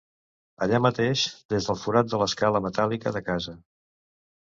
Allà mateix, des del forat de l’escala metàl·lica de casa...